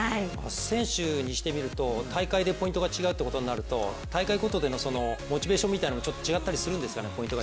選手にしてみると大会でポイントが違うとなると大会ごとでのモチベーションみたいなのもちょっと違ったりするんですかね。